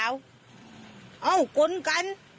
พ่อค้า